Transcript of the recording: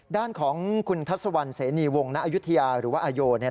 ด้านของคุณทัศวรรณเสนีวงณอายุทยาหรือว่าอาโย